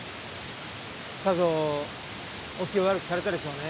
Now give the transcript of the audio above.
さぞお気を悪くされたでしょうね。